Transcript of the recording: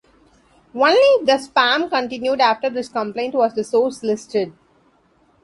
Only if the spam continued after this complaint was the source listed.